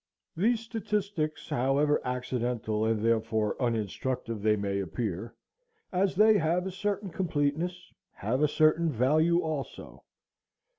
These statistics, however accidental and therefore uninstructive they may appear, as they have a certain completeness, have a certain value also.